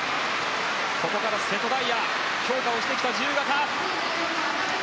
ここから瀬戸大也強化をしてきた自由形！